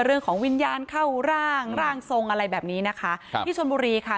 เรื่องของวิญญาณเข้าร่างร่างทรงอะไรแบบนี้นะคะครับที่ชนบุรีค่ะ